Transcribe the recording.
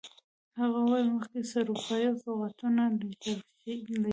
هغه وویل مخکې سروپايي او سوغاتونه لېږلي دي.